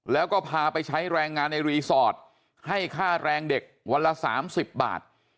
แล้วก็พาไปใช้แรงงานในรีสอร์ทให้ค่าแรงเด็กวันละ๓๐บาท